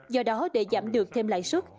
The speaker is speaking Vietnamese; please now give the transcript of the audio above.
do đó để giảm được thêm lãi suất